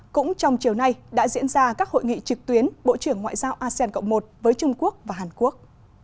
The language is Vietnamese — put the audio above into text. cũng trong chiều nay đã diễn ra các hội nghị trực tuyến bộ trưởng ngoại giao asean cộng một với trung quốc và hàn quốc